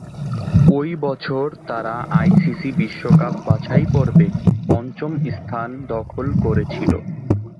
ঐ বছর তারা আইসিসি বিশ্বকাপ বাছাইপর্বে পঞ্চম স্থান দখল করেছিল।